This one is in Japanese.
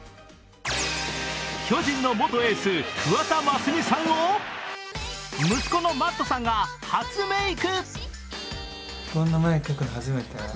巨人の元エース・桑田真澄さんを息子のＭａｔｔさんが初メイク。